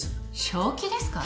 正気ですか？